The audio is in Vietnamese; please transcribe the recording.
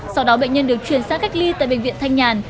sau đó bệnh nhân được chuyển sang cách ly tại bệnh viện thanh nhàn